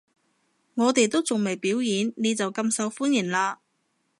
我哋都仲未表演，你就咁受歡迎喇